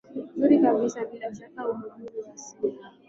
zuri kabisa bila shaka ubuheri wa siha